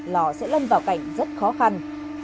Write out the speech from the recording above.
lò sẽ lân vào cảnh rất khó khăn